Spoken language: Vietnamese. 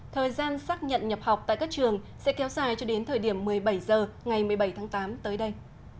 thời gian xác nhận nhập học tại các trường sẽ kéo dài cho đến thời điểm một mươi bảy h ngày một mươi bảy tháng tám tới đây